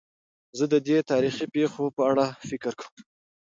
زه د دې تاریخي پېښو په اړه فکر کوم.